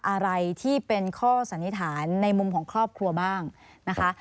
อะไรที่เป็นข้อสันนิษฐานในมุมของครอบครัวบ้างนะคะ